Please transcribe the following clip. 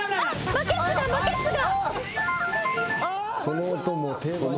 バケツがバケツが。